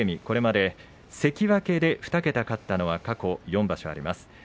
これまで関脇で２桁勝ったのは過去４場所あります。